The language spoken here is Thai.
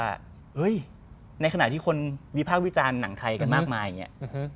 รู้สึกว่าในขณะที่คนวิพากษ์วิจารณ์หนังไทยกันมากมาย